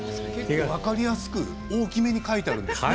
分かりやすく大きめに書いてるんですね。